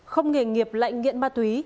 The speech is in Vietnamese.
không nghề nghiệp lãnh nghiện ma túy